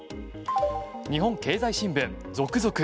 日本経済新聞、続々。